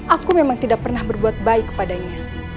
aku memang tidak pernah berbuat baik kepadanya